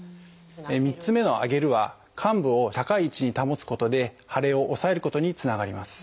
３つ目の「上げる」は患部を高い位置に保つことで腫れを抑えることにつながります。